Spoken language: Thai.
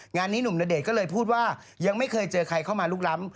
งานนี้หนุ่มณเดชน์ก็เลยพูดว่ายังไม่เคยเจอใครเข้ามาลุกล้ำ